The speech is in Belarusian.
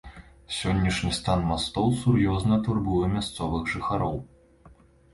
Сённяшні стан мастоў сур'ёзна турбуе мясцовых жыхароў.